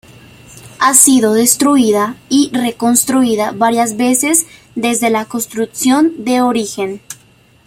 Ha sido destruida y reconstruida varias veces desde la construcción de origen.